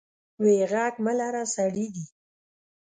وې غږ مه لره سړي دي.